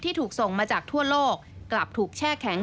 ถูกส่งมาจากทั่วโลกกลับถูกแช่แข็ง